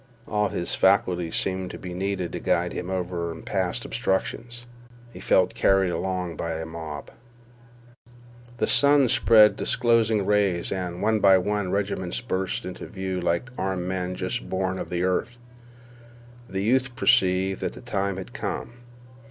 All his faculties seemed to be needed to guide him over and past obstructions. He felt carried along by a mob. The sun spread disclosing rays, and, one by one, regiments burst into view like armed men just born of the earth. The youth perceived that the time had come.